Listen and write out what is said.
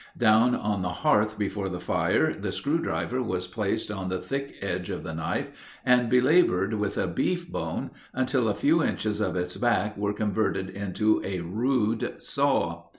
Down on the hearth before the fire the screw driver was placed on the thick edge of the knife and belabored with a beef bone until a few inches of its back were converted into a rude saw.